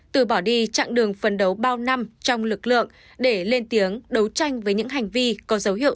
từ bỏ đi chặng đường phần đấu bao năm trong lực lượng để lên tiếng đấu tranh với những hành vi có dấu hiệu